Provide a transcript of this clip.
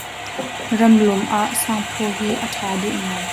Ram lum ah sangphaw hi a ṭha duh ngai.